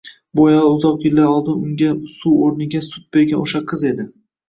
Bu ayol uzoq yillar oldin unga suv oʻrniga sut bergan oʻsha qiz edi